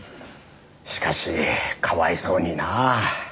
しかしかわいそうになぁ。